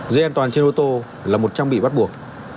dây an toàn trên ô tô là một trang bị bắt buộc